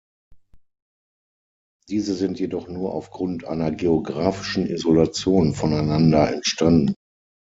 Diese sind jedoch nur auf Grund einer geographischen Isolation voneinander entstanden.